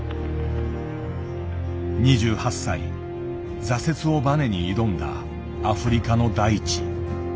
２８歳挫折をバネに挑んだアフリカの大地。